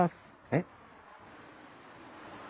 えっ？